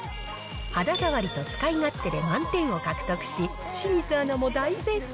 肌触りと使い勝手で満点を獲得し、清水アナも大絶賛。